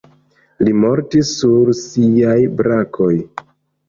Li mortis sur ŝiaj brakoj.